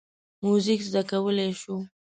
موزیک زده کولی شو.